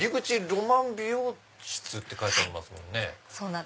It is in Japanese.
ロマン美容室って書いてありますもんね。